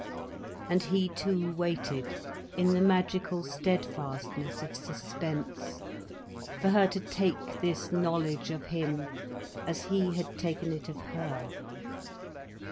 And he too waited in the magical steadfastness of suspense, for her to take this knowledge of him as he had taken it of her.